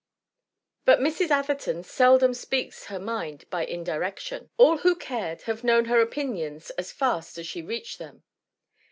But Mrs. Atherton seldom speaks her mind by indirection; all who cared have known her opinions as fast as she reached them.